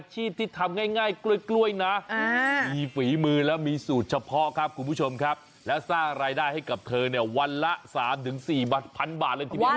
โหค่ครับคุณผู้ชมครับแล้วสร้างรายได้ให้กับเธอเนี่ยวันละ๓๔พันบาทเลยทีเนียลง